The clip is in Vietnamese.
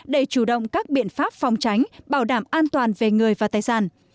để chủ động các biện pháp phòng tránh bảo đảm an toàn về người và tài sản